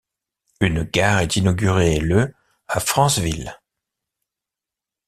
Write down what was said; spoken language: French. Une gare est inaugurée le à Franceville.